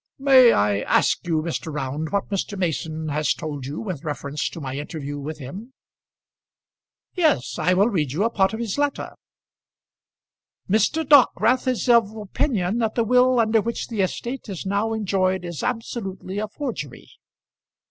"May I ask you, Mr. Round, what Mr. Mason has told you with reference to my interview with him?" "Yes; I will read you a part of his letter 'Mr. Dockwrath is of opinion that the will under which the estate is now enjoyed is absolutely a forgery.'